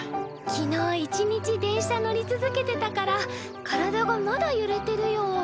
昨日一日電車乗り続けてたから体がまだゆれてるよ。